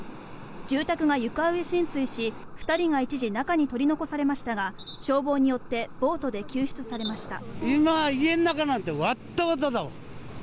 住宅が床上浸水し、２人が一時中に取り残されましたが消防によってボートで救出されました。